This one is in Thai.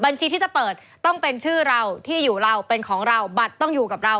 ที่จะเปิดต้องเป็นชื่อเราที่อยู่เราเป็นของเราบัตรต้องอยู่กับเรา